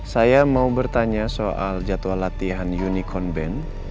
saya mau bertanya soal jadwal latihan unicorn band